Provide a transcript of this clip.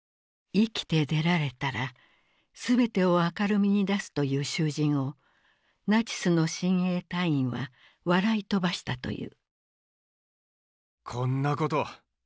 「生きて出られたら全てを明るみに出す」と言う囚人をナチスの親衛隊員は笑い飛ばしたという。